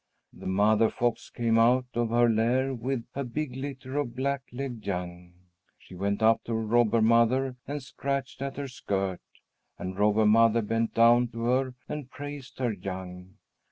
The mother fox came out of her lair with a big litter of black legged young. She went up to Robber Mother and scratched at her skirt, and Robber Mother bent down to her and praised her young.